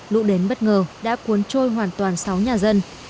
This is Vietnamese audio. lũ đến bất ngờ đã cuốn trôi hoàn toàn sáu nhà dân